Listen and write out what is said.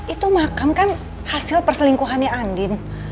itu makam kan hasil perselingkuhannya andin